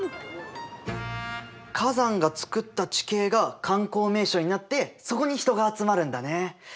火山がつくった地形が観光名所になってそこに人が集まるんだね。